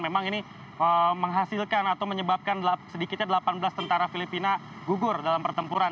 memang ini menghasilkan atau menyebabkan sedikitnya delapan belas tentara filipina gugur dalam pertempuran